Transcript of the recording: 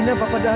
bapak gak ada